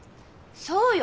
そうよ！